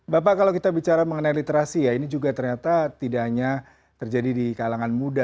bapak kalau kita bicara mengenai literasi ya ini juga ternyata tidak hanya terjadi di kalangan muda